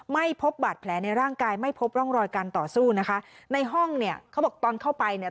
ไม่พบบาดแผลในร่างกายไม่พบร่องรอยการต่อสู้นะคะในห้องเนี่ยเขาบอกตอนเข้าไปเนี่ย